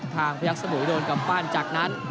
พยักษมุยโดนกลับบ้านจากนั้น